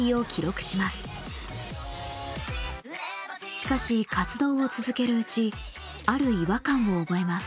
しかし活動を続けるうちある違和感を覚えます。